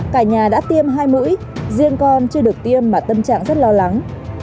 cả nhà đã tiêm hai mũi riêng con chưa được tiêm mà tâm trạng rất lo lắng